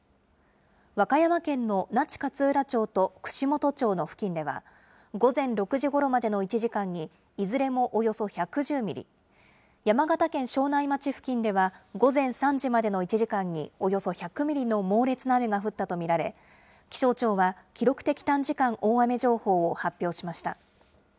和歌山県の那智勝浦町と串本町の付近では、午前６時ごろまでの１時間に、いずれもおよそ１１０ミリ、山形県庄内町付近では午前３時までの１時間におよそ１００ミリの猛烈な雨が降ったと見られ、気象庁は記録的短時間大雨情報を発表しました。